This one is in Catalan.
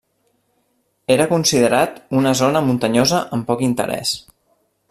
Era considerat una zona muntanyosa amb poc interès.